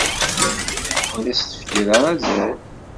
Ur as-tefkiḍ ara azal.